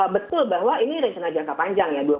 betul bahwa ini rencana jangka panjang ya